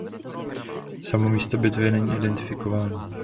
Samo místo bitvy není identifikováno.